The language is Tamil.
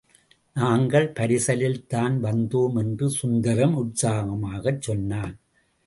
நாங்கள் பரிசலில் தான் வந்தோம் என்று சுந்தரம் உற்சாகமாகச் சொன்னான்.